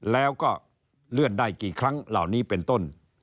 แล้วก็เลื่อนได้กี่ครั้งเหล่านี้เป็นต้น